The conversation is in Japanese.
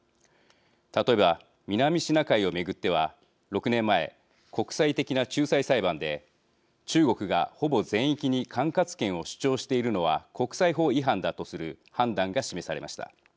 例えば南シナ海を巡っては６年前、国際的な仲裁裁判で中国が、ほぼ全域に管轄権を主張しているのは国際法違反だとする判断が示されました。